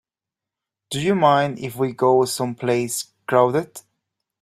Do you mind if we go someplace crowded?